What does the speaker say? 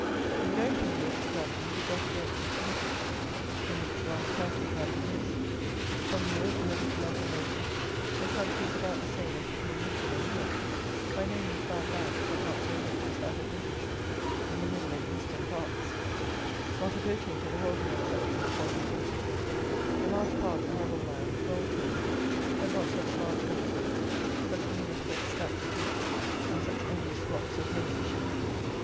In going from Newark to Grantham, we got again into Lincolnshire, in which last county Grantham is. From Newark nearly to Melton Mowbray, the country is about the same as between Lincoln and Newark; by no means bad land, but not so rich as that of Lincolnshire, in the middle and eastern parts; not approaching to the Holderness country in point of riches; a large part arable land, well tilled; but not such large homesteads, such numerous great stacks of wheat, and such endless flocks of lazy sheep.